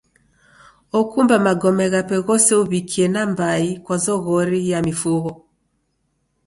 Okumba magome ghape ghose uw'ikie nambai kwa zoghori ya mifugho.